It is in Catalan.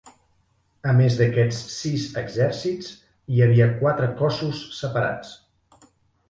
A més d'aquests sis exèrcits, hi havia quatre cossos separats.